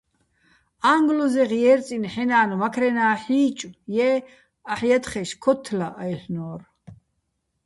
"აჼგლოზეღ ჲერწინო ჰ̦ეჼ ნა́ნ მაქრენა́ ჰ̦ი́ჭო̆, ჲე, აჰ̦ ჲათხეშ ქოთთლა," - აჲლ'ნო́რ.